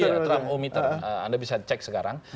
iya trump omiter anda bisa cek sekarang